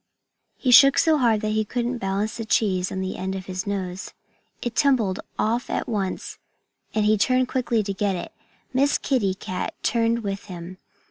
He shook so hard that he couldn't balance the cheese on the end of his nose. It tumbled off at once and he turned quickly to get it. Miss Kitty Cat turned with him.